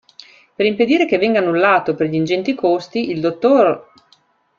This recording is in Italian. Per impedire che venga annullato per gli ingenti costi, il dott.